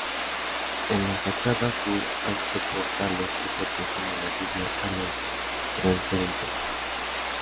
En la fachada sur hay soportales que protegen de la lluvia a los transeúntes.